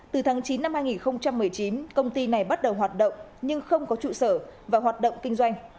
từ tháng chín năm hai nghìn một mươi chín công ty này bắt đầu hoạt động nhưng không có trụ sở và hoạt động kinh doanh